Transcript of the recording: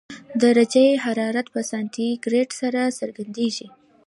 درجه حرارت په سانتي ګراد سره څرګندېږي.